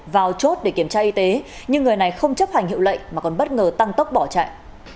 vào chốt để kiểm tra y tế nhưng người này không chấp hành hiệu lệnh mà còn bất ngờ tăng tốc bỏ chạy